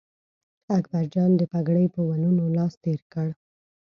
اکبرجان د پګړۍ په ولونو لاس تېر کړ.